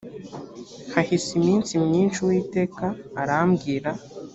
hahise iminsi myinshi uwiteka arambwira .